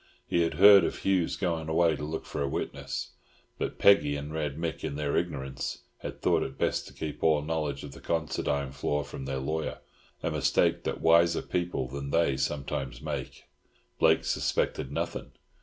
He had heard of Hugh's going away to look for a witness; but Peggy and Red Mick, in their ignorance, had thought it best to keep all knowledge of the Considine flaw from their lawyer—a mistake that wiser people than they sometimes make. Blake suspected nothing.